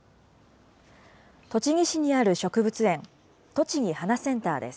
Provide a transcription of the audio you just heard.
栃木市にある植物園、とちぎ花センターです。